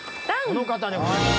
この方でございます。